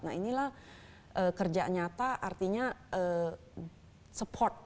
nah inilah kerja nyata artinya support